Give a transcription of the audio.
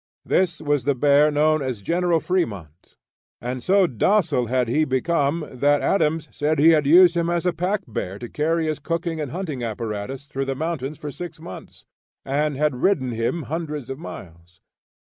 This was the bear known as "General Fremont;" and so docile had he become that Adams said he had used him as a packbear to carry his cooking and hunting apparatus through the mountains for six months, and had ridden him hundreds of miles.